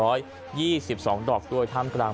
รับแสตลัดใหม่๑๒๒๒ดอกด้วยค่าเกดาร์